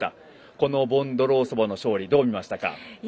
このボンドロウソバの勝利どう見ましたか？